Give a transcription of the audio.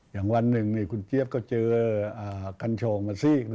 อย่างวันหนึ่งเนี่ยคุณเจี๊ยบก็เจอกันช่องมาซีก